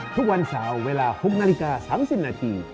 ทุกวันเสาร์เวลา๖นาฬิกา๓๐นาที